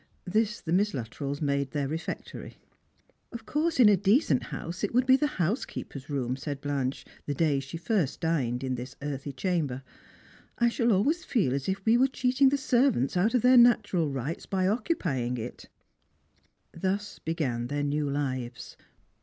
This the Miss Luttrells made their refectory. " Of course, in a decent house it would be the housekeeper's room," said Blanche, the aay she first dined in this earthy chamber. " I shall always feel as if we were cheating the ser vants out of their natural rights by occupying it " Thus began their new lives.